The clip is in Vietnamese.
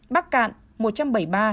bắc cạn một trăm bảy mươi ba